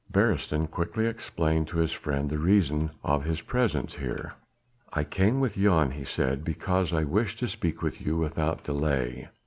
Beresteyn quickly explained to his friend the reason of his presence here. "I came with Jan," he said, "because I wished to speak with you without delay."